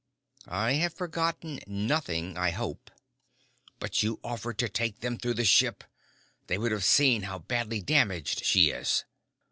"I have forgotten nothing, I hope." "But you offered to take them through the ship! They would have seen how badly damaged she is."